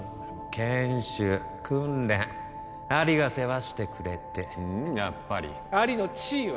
研修訓練アリが世話してくれてふんやっぱりアリの地位は？